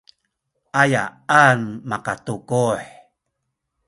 ayaan makatukuh?